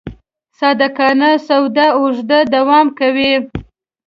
صادقانه سودا اوږده دوام کوي.